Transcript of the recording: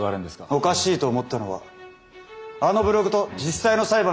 おかしいと思ったのはあのブログと実際の裁判の違いでした。